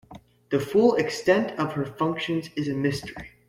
The full extent of her functions is a mystery.